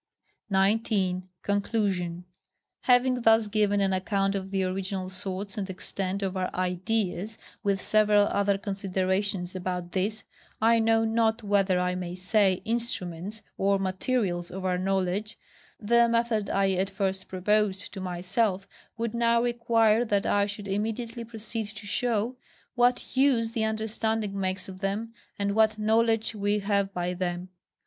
19. Conclusion. Having thus given an account of the original, sorts, and extent of our IDEAS, with several other considerations about these (I know not whether I may say) instruments, or materials of our knowledge, the method I at first proposed to myself would now require that I should immediately proceed to show, what use the understanding makes of them, and what KNOWLEDGE we have by them.